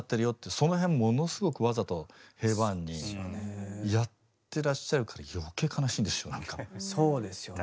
その辺ものすごくわざと平板にやってらっしゃるから余計悲しいんですよね。